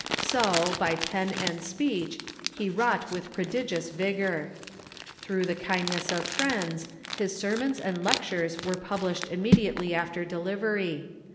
So, by pen and speech, he Avrought with prodigious vigor. Through the kind ness of friends, his sermons and lectures w^ere published im mediately after delivery.